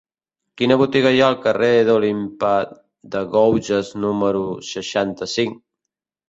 Quina botiga hi ha al carrer d'Olympe de Gouges número seixanta-cinc?